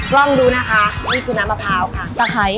ลองดูนะคะนี่คือน้ำมะพร้าวค่ะ